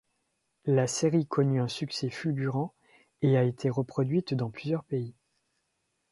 La série connut un succès fulgurant et a été reproduite dans plusieurs pays.